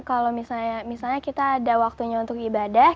kalau misalnya kita ada waktunya untuk ibadah